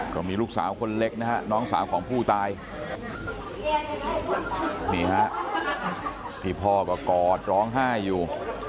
ก็มีลูกสาวคนเล็กนะฮะน้องสาวของผู้ตายนี่ฮะที่พ่อก็กอดร้องไห้อยู่